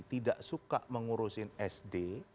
tidak suka mengurusin sd